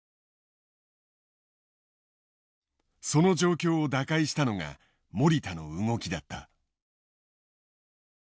その状況を打開したのが守田の動きだった。